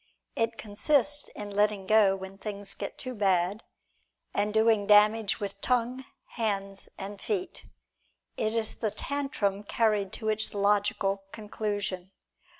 It consists in letting go when things get too bad, and doing damage with tongue, hands and feet. It is the tantrum carried to its logical conclusion.